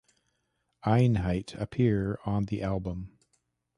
Einheit appear on the album.